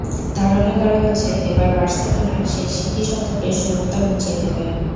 ধারণা করা হচ্ছে, এবার বার্সেলোনা সেই সিকি শতকের শূন্যতা ঘুচিয়ে দেবে।